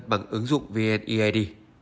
bằng ứng dụng vneid